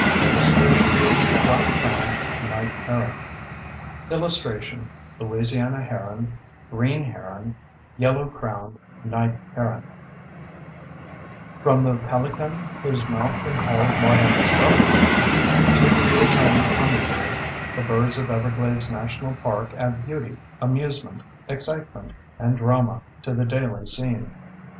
] [Illustration: BLACK CROWNED NIGHT HERON] [Illustration: LOUISIANA HERON GREEN HERON YELLOW CROWNED NIGHT HERON] From the pelican—whose mouth can hold more than its belly can—to the tiny hummingbird, the birds of Everglades National Park add beauty, amusement, excitement, and drama to the daily scene.